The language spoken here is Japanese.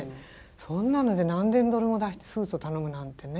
そんなので何千ドルも出してスーツを頼むなんてね。